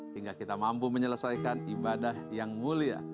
hingga kita mampu menyelesaikan ibadah yang mulia